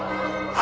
あ！